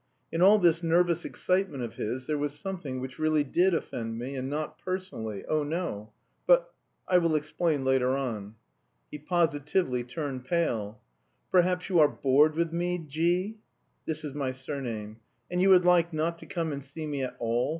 In all this nervous excitement of his there was something which really did offend me, and not personally, oh, no! But... I will explain later on. He positively turned pale. "Perhaps you are bored with me, G v (this is my surname), and you would like... not to come and see me at all?"